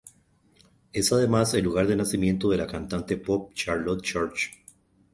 Es además el lugar de nacimiento de la cantante pop Charlotte Church.